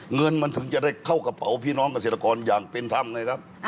เงินมันถึงจะได้เข้ากระเป๋าพี่น้องเศรษฐกรอย่างเป็นท่ำ